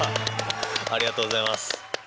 ありがとうございます。